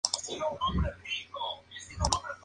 Ocupó el cargo de primer ministro de Noruega en dos períodos.